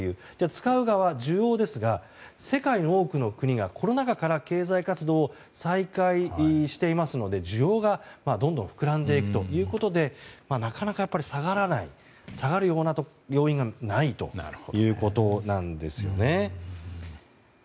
使う側、需要ですが世界の多くの国がコロナ禍から経済活動を再開していますので需要がどんどん膨らんでいくということでなかなか下がらない下がるような要因がないということなんですね。